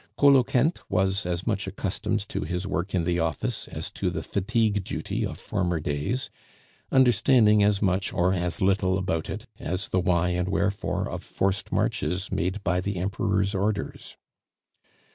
Coloquinte was as much accustomed to his work in the office as to the fatigue duty of former days, understanding as much or as little about it as the why and wherefore of forced marches made by the Emperor's orders.